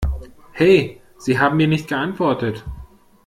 He, Sie haben mir nicht geantwortet!